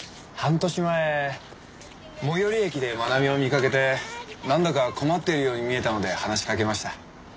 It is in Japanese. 半年前最寄り駅で真奈美を見かけてなんだか困っているように見えたので話しかけました。